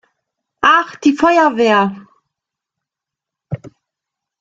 Ah, die Feuerwehr!